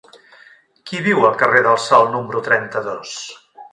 Qui viu al carrer del Sol número trenta-dos?